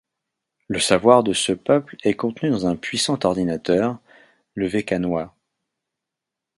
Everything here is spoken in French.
Le savoir de ce peuple est contenu dans un puissant ordinateur, le vecanoï.